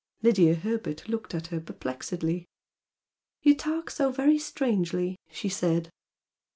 Lydia Herbert looked at her perplexedly. "You talk so very strangely!" she said.